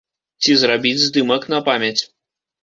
Ці зрабіць здымак на памяць.